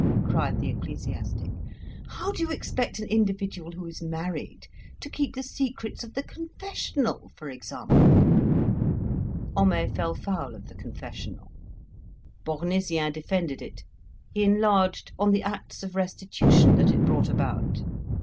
cried the ecclesiastic, "how do you expect an individual who is married to keep the secrets of the confessional, for example?" Homais fell foul of the confessional. Bournisien defended it; he enlarged on the acts of restitution that it brought about.